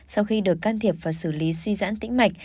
sau khi được can thiệp và xử lý suy giãn tĩnh mạch